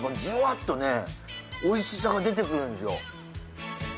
ジュワッとねおいしさが出てくるんですよ。